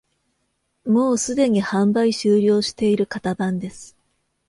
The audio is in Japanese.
もうすでに販売終了している型番です